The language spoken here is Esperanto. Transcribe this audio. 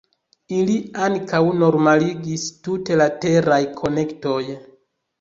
Ili ankaŭ normaligis tute la teraj konektoj.